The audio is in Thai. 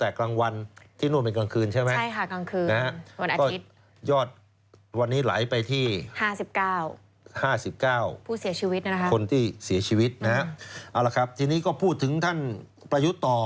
เอาละครับทีนี้ก็พูดถึงท่านประยุทธ์ต่อ